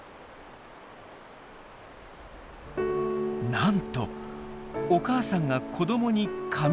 なんとお母さんが子どもにかみつきました。